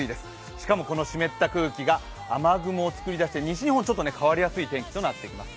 しかもこの湿った空気が雨雲を作り出して西日本ちょっと変わりやすい天気となってきます。